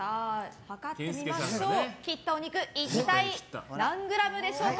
切ったお肉は一体何グラムでしょうか。